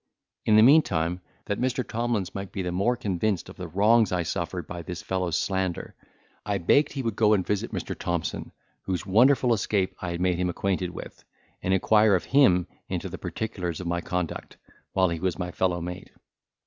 In the meantime, that Mr. Tomlins might be the more convinced of the wrongs I suffered by this fellow's slander, I begged he would go and visit Mr. Thompson, whose wonderful escape I had made him acquainted with, and inquire of him into the particulars of my conduct, while he was my fellow mate.